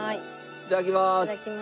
いただきます。